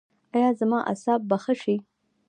ایا زما اعصاب به ښه شي؟